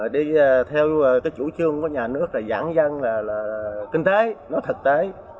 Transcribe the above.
đi theo cái chủ trương của nhà nước là giãn dân là kinh tế nó thực tế